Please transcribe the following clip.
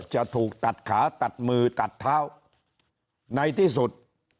จะถูกตัดขาตัดมือตัดเท้าในที่สุด